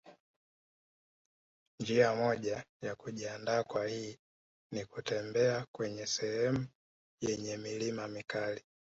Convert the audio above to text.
Njia moja ya kujiandaa kwa hii nikutembea kwenye sehemu yenye milima mikali